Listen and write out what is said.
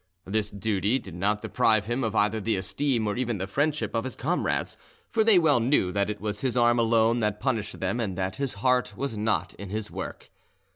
This duty did not deprive him of either the esteem or even the friendship of his comrades, for they well knew that it was his arm alone that punished them and that his heart was not in his work.